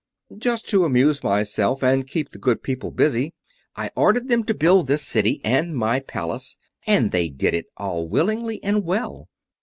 "Just to amuse myself, and keep the good people busy, I ordered them to build this City, and my Palace; and they did it all willingly and well.